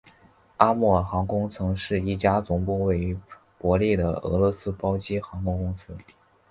阿穆尔航空曾是一家总部位于伯力的俄罗斯包机航空公司。